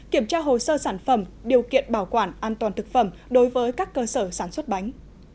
kiểm tra hồ sơ sản phẩm điều kiện bảo quản an toàn thực phẩm đối với các cơ sở sản xuất bánh